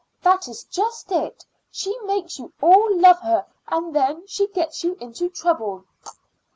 "That is just it. She makes you all love her and then she gets you into trouble."